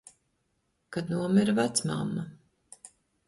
Kad nomira vecmamma.